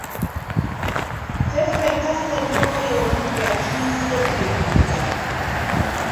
Ffeffekka Sserubogo y’omu ku bakiise Embuga.